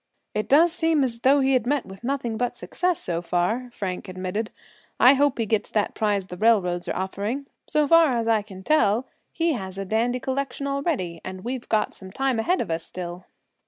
"It does seem as though he had met with nothing but success, so far," Frank admitted. "I hope he gets that prize the railroads are offering. So far as I can tell he has a dandy collection already, and we've got some time ahead of us still."